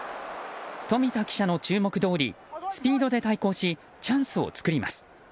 冨田記者の注目どおりスピードで対抗しチャンスを作ります。